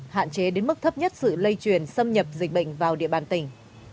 hạn chế đến mức thấp nhất sự lây truyền xâm nhập dịch bệnh vào địa bàn tỉnh